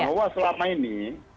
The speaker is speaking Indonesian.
bahwa selama ini